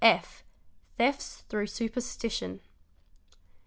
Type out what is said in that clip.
} F, Thefts through superstition.